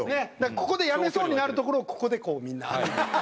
ここでやめそうになるところをここでこうみんな。